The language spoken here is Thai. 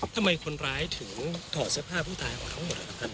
ทำไมคนร้ายถึงถอดเสื้อผ้าผู้ตายของเขาหมดล่ะครับ